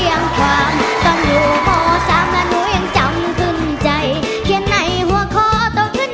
ยายอยู่กับน้องไปนานานหนึ่ง